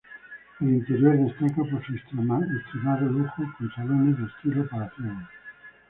El interior destaca por su extremado lujo con salones de estilo palaciego.